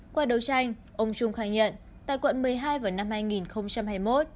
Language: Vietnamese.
qua đấu tranh ông trung khai nhận tại quận một mươi hai vào năm hai nghìn hai mươi một